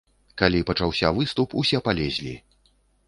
Калі пачаўся выступ, усе палезлі.